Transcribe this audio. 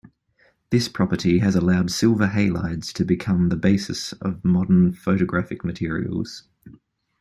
This property has allowed silver halides to become the basis of modern photographic materials.